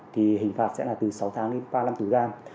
thì hình phạt sẽ là từ sáu tháng đến ba năm tù giam